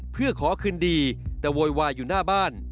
เพื่อขอคืนดีแต่โวยวายอยู่หน้าบ้าน